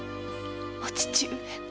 お父上。